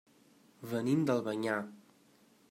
Venim d'Albanyà.